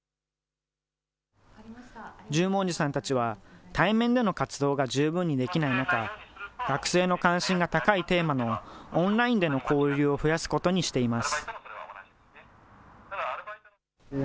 重文字さんたちは、対面での活動が十分にできない中、学生の関心が高いテーマのオンラインでの交流を増やすことにしています。